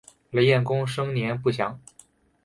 雷彦恭生年不详。